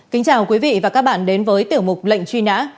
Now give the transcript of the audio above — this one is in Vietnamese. kính chào quý vị và các bạn đến với tiểu mục lệnh truy nã